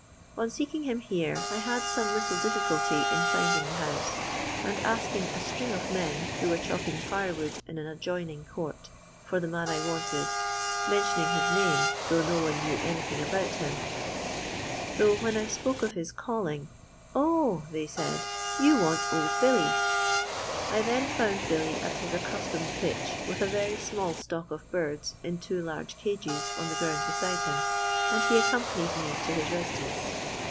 On seeking him here, I hsd some little difficulty in finding the house, and I ssking a string of men, who were chopping fire wood in an adjoining court, for the man I wanted, I mentioning his name, no one knew anything about him ; though when I spoke of his calling, I "0,"they said, "you want Old Billy." I then i ^nd Billy at his accustomed pitch, with a very nnall stock of birds in two large cages on the ground beside him, and he accompanied me to his residence.